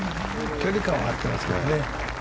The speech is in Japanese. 距離感は合ってますけどね。